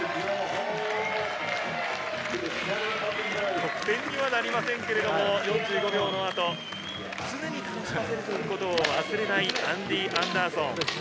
得点にはなりませんが、４５秒の後、常に楽しませることを忘れない、アンディー・アンダーソン。